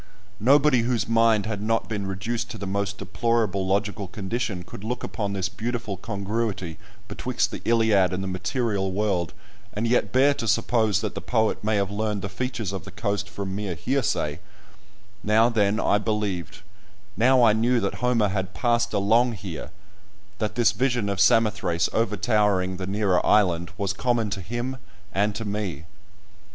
Nobody whose mind had not been reduced to the most deplorable logical condition could look upon this beautiful congruity betwixt the Iliad and the material world and yet bear to suppose that the poet may have learned the features of the coast from mere hearsay; now then, I believed; now I knew that Homer had passed along here, that this vision of Samothrace over towering the nearer island was common to him and to me.